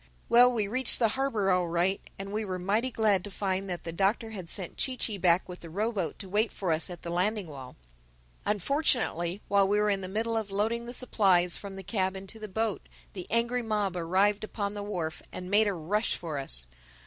Well, we reached the harbor all right and we were mighty glad to find that the Doctor had sent Chee Chee back with the row boat to wait for us at the landing wall. Unfortunately while we were in the middle of loading the supplies from the cab into the boat, the angry mob arrived upon the wharf and made a rush for us.